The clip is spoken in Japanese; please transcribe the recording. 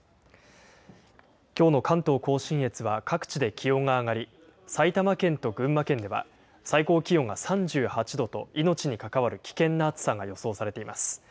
きょうの関東甲信越は各地で気温が上がり、埼玉県と群馬県では最高気温が３８度と、命に関わる危険な暑さが予想されています。